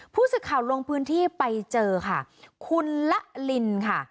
ผู้สื่อข่าวลงพื้นที่ไปเจอค่ะคุณละลินค่ะ